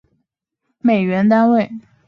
美元单位则以当年人民币平均汇率折算。